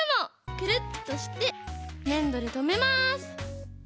クルッとしてねんどでとめます。